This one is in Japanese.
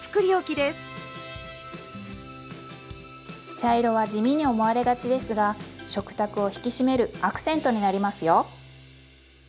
茶色は地味に思われがちですが食卓を引き締めるアクセントになりますよ。